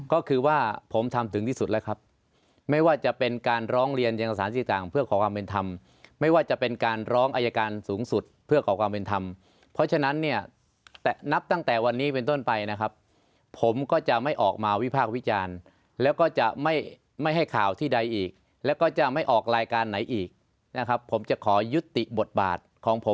ก็คือว่าผมทำถึงที่สุดแล้วครับไม่ว่าจะเป็นการร้องเรียนยังสารที่ต่างเพื่อขอความเป็นธรรมไม่ว่าจะเป็นการร้องอายการสูงสุดเพื่อขอความเป็นธรรมเพราะฉะนั้นเนี่ยนับตั้งแต่วันนี้เป็นต้นไปนะครับผมก็จะไม่ออกมาวิพากษ์วิจารณ์แล้วก็จะไม่ไม่ให้ข่าวที่ใดอีกแล้วก็จะไม่ออกรายการไหนอีกนะครับผมจะขอยุติบทบาทของผม